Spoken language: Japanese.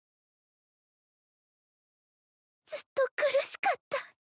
ずっと苦しかった。